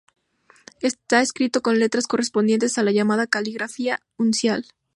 Está escrito con letras correspondientes a la llamada caligrafía uncial.